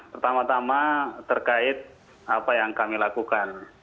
pertama tama terkait apa yang kami lakukan